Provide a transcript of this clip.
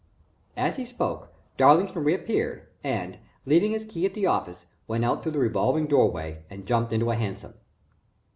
As he spoke, Darlington reappeared, and, leaving his key at the office, went out through the revolving doorway, and jumped into a hansom.